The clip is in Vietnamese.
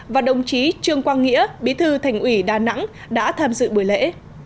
và đồng chí trương quang nghĩa bí thư thành ủy đà nẵng đã tham dự buổi lễ